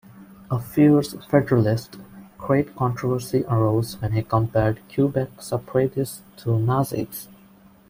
A fierce federalist, great controversy arose when he compared Quebec separatists to Nazis.